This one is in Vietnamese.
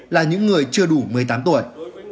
là những người chưa đủ một mươi tám tuổi